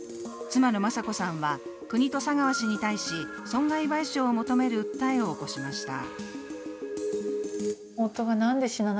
妻の雅子さんは、国と佐川氏に対し、損害賠償を求める訴えを起こしました。